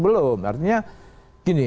belum artinya gini